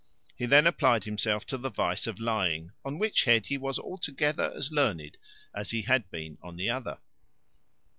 He then applied himself to the vice of lying, on which head he was altogether as learned as he had been on the other.